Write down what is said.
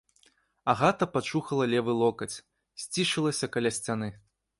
Агата пачухала левы локаць, сцішылася каля сцяны.